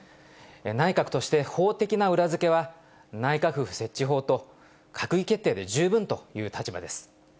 内閣として法的な裏付けは、内閣府設置法と、閣議決定で十分という立場です。